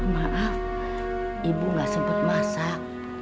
maaf ibu gak sempat masak